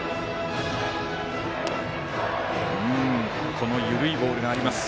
この緩いボールがあります。